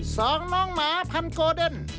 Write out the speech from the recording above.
สองน้องหมาพันโกเดน